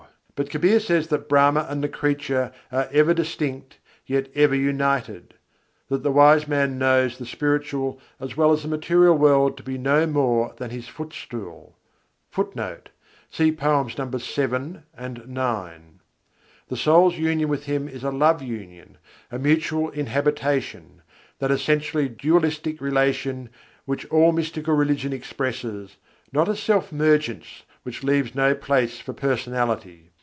But Kabîr says that Brahma and the creature are "ever distinct, yet ever united"; that the wise man knows the spiritual as well as the material world to "be no more than His footstool." [Footnote: Nos. VII and IX.] The soul's union with Him is a love union, a mutual inhabitation; that essentially dualistic relation which all mystical religion expresses, not a self mergence which leaves no place for personality.